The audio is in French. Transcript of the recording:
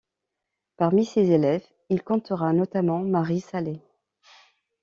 Parmi ses élèves, il comptera notamment Marie Sallé.